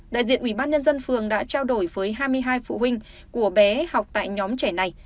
đại diện ubnd phường đã trao đổi với hai mươi hai phụ huynh của bé học tại nhóm trẻ này